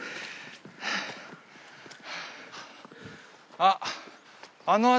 あっ。